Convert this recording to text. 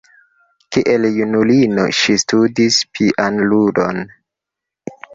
Kiel junulino ŝi studis pianludon.